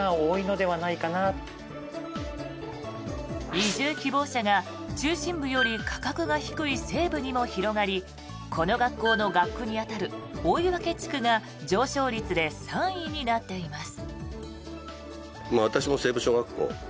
移住希望者が中心部より価格が低い西部にも広がりこの学校の学区に当たる追分地区が上昇率で３位になっています。